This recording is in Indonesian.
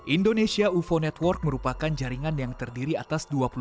indonesia ufo network merupakan jaringan yang terdiri atas